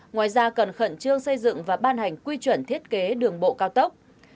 ngoài ra cần khẩn trương xây dựng và ban hành quy chuẩn thiết kế đường bộ cao tốc